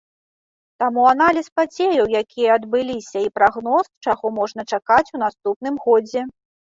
Таму аналіз падзеяў, якія адбыліся, і прагноз, чаго можна чакаць у наступным годзе?